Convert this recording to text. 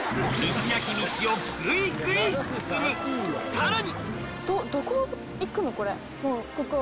さらに！